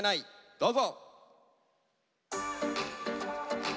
どうぞ。